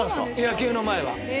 野球の前は。